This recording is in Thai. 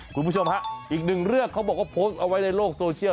คุณผู้ชมฮะอีกหนึ่งเรื่องเขาบอกว่าโพสต์เอาไว้ในโลกโซเชียล